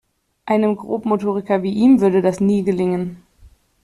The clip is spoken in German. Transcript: Einem Grobmotoriker wie ihm würde das nie gelingen.